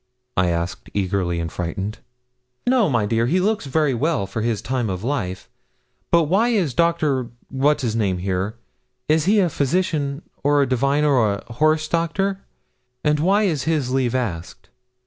I asked eagerly and frightened. 'No, my dear, he looks very well for his time of life; but why is Doctor What's his name here? Is he a physician, or a divine, or a horse doctor? and why is his leave asked?'